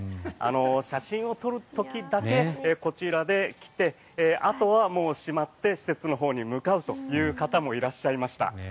写真を撮る時だけこちらで着てあとは閉まって施設のほうへ向かうという方もいらっしゃいました。